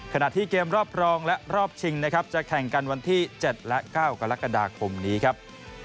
ขณะที่เกมรอบรองและรอบชิงนะครับจะแข่งกันวันที่๗และ๙กรกฎาคมนี้ครับ